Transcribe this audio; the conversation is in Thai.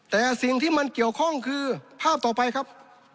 แต่สิ่งที่มันเกี่ยวข้องคือภาพต่อไปครับ